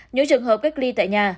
những trường hợp gác ly tại nhà